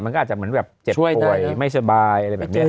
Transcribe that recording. มันก็อาจจะเหมือนแบบเจ็บป่วยไม่สบายอะไรแบบนี้